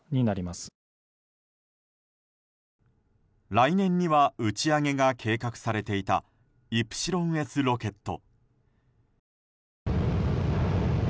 来年には打ち上げが計画されていたイプシロンＳロケット。